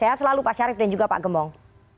sehat selalu pak syarif dan juga pak gembong